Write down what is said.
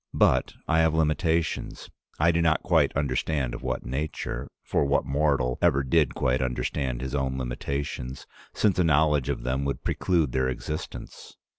But I have limitations, I do not quite understand of what nature — for what mortal ever did quite understand his own limitations, since a knowledge of them would preclude their existence?